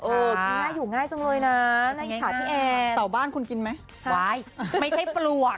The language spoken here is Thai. โอ้ยใครจะกินเหรอพี่ไม่ใช่ปลวก